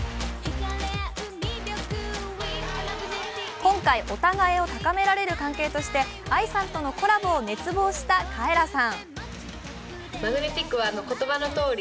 今回、お互いを高められる関係としてＡＩさんとのコラボを熱望したカエラさん。